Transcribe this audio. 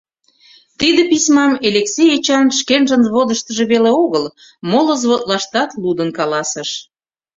Тиде письмам Элексей Эчан шкенжын взводыштыжо веле огыл, моло взводлаштат лудын каласкалыш.